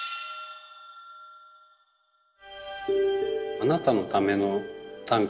あなたのための短歌